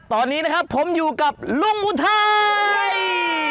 ตอนนี้นะครับผมอยู่กับลุงอุทัย